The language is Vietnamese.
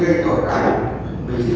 để gây tội án cho gia đình